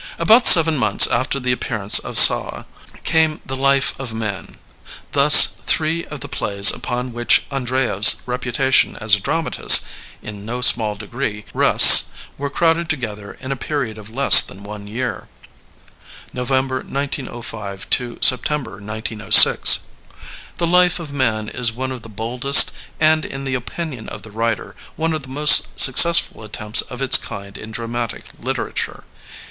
About seven months after the appearance of Sawa, came The Life of Man. Thus, three of the plays upon which Andreyev's reputation as a dram atist in no small degree rests were crowded together in a period of less than one year [November, 1905, to September, 1906]. The Life of Man is one of the boldest and, in the opinion of the writer, one of the most successful attempts of its kind in dramatic literature.